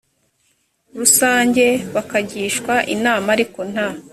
rusange bakagishwa inama ariko nta